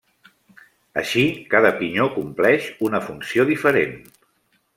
Així, cada pinyó compleix una funció diferent.